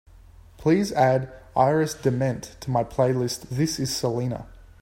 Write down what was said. Please add Iris DeMent to my playlist this is selena